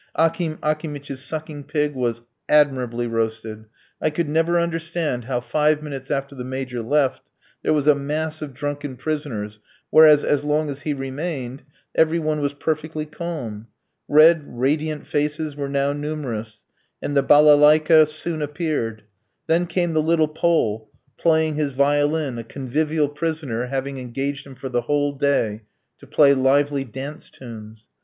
Akim Akimitch's sucking pig was admirably roasted. I could never understand how, five minutes after the Major left, there was a mass of drunken prisoners, whereas as long as he remained every one was perfectly calm. Red, radiant faces were now numerous, and the balalaiki [Russian banjoes] soon appeared. Then came the little Pole, playing his violin, a convivial prisoner having engaged him for the whole day to play lively dance tunes.